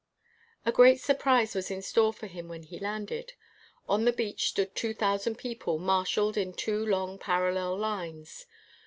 A great surprise was in store for him when he landed. On the beach stood two thousand people marshaled in two long parallel lines.